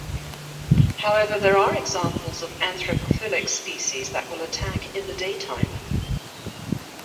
However, there are examples of anthropophillic species that will attack in the daytime.